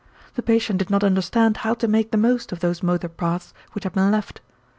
The patient did not understand how to make the most out of those motor paths which had been left.